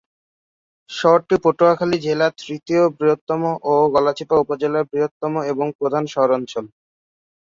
শহরটি পটুয়াখালী জেলার তৃতীয় বৃহত্তম ও গলাচিপা উপজেলার বৃহত্তম এবং প্রধান শহরাঞ্চল।